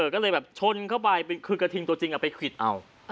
ก็เลยแบบชนเข้าไปคือกระทิงตัวจริงเอาไปควิดเอา